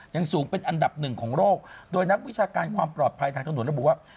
ยังสูงเป็นอันดับ๑ของโลกโดยนักวิชาการความปลอดภัยทางท้องถนนบอกว่า